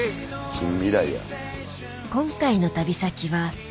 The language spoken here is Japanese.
近未来や。